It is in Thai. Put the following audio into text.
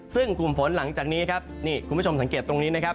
ซึ่งกลุ่มฝนหลังจากนี้ครับนี่คุณผู้ชมสังเกตตรงนี้นะครับ